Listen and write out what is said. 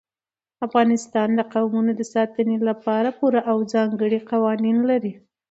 افغانستان د قومونه د ساتنې لپاره پوره او ځانګړي قوانین لري.